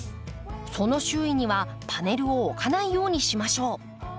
その周囲にはパネルを置かないようにしましょう。